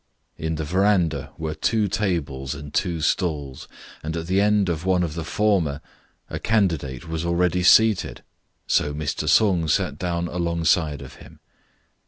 4 In the verandah were two tables and two stools, and at the end of one of the former a candidate was already seated, so Mr. Sung sat down alongside of him.